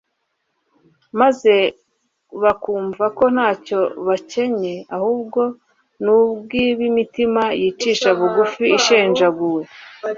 maze bakumva ko ntacyo bakencye, ahubwo ni ubw'ab'imitima yicisha bugufi ishenjaguwe.